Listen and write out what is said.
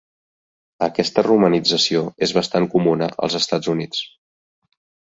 Aquesta romanització és bastant comuna als Estats Units.